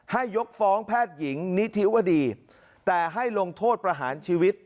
ยกฟ้องแพทย์หญิงนิธิวดีแต่ให้ลงโทษประหารชีวิต